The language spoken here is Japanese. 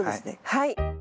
はい。